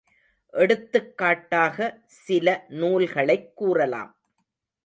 எடுத்துக்காட்டாக சில நூல்களைக் கூறலாம்.